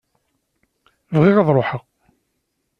Bɣiɣ ad ruḥeɣ.